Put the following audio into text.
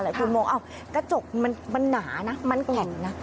หลายคนมองกระจกมันหนานะมันแกร่งนะ